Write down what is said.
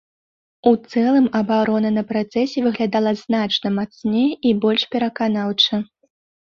У цэлым абарона на працэсе выглядала значна мацней і больш пераканаўча.